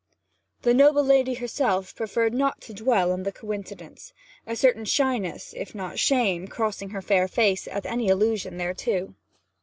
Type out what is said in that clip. The noble lady herself preferred not to dwell on the coincidence, a certain shyness, if not shame, crossing her fair face at any allusion thereto.